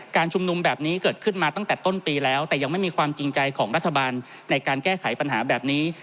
ชุมนุมแบบนี้เกิดขึ้นมาตั้งแต่ต้นปีแล้วแต่ยังไม่มีความจริงใจของรัฐบาลในการแก้ไขปัญหาแบบนี้